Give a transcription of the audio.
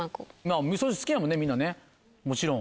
みそ汁好きだもんねみんなもちろん。